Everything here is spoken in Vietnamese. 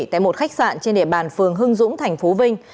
tại một khách sạn trên địa bàn phường hưng dũng tp vinh